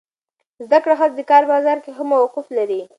زده کړه ښځه د کار بازار کې ښه موقف لري.